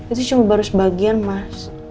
itu cuma baru sebagian mas